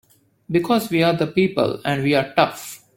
Because we're the people and we're tough!